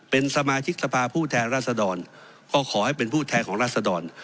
เป็นสมาชิกสภาผู้แทนรัศดรก็ขอให้เป็นผู้แทนของรัศดร